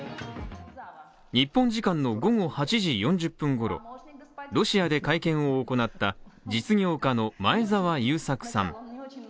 日本時間の午後８時４０分ごろ、ロシアで会見を行った実業家の前澤友作さん